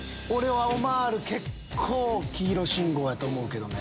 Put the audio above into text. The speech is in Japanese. オマール結構黄色信号やと思うけどね。